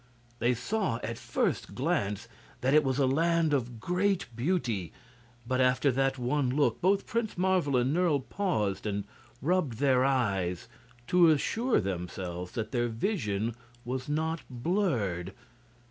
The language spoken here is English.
They saw at first glance that it was a land of great beauty; but after that one look both Prince Marvel and Nerle paused and rubbed their eyes, to assure themselves that their vision was not blurred.